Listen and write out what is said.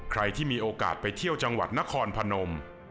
ใครที่มีโอกาสไปเที่ยวจังหวัดนครพนม